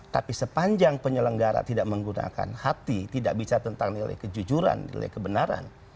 tapi sepanjang penyelenggara tidak menggunakan hati tidak bicara tentang nilai kejujuran nilai kebenaran